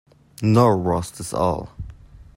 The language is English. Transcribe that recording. Nor was this all.